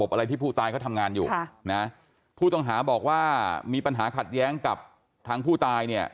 อะไรที่ผู้ตายเขาทำงานอยู่ค่ะนะผู้ต้องหาบอกว่ามีปัญหาขัดแย้งกับทางผู้ตายเนี่ย